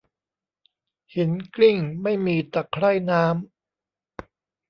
หินกลิ้งไม่มีตะไคร่น้ำ